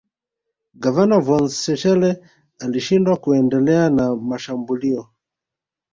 Gavana von Schele alishindwa kuendelea na mashambulio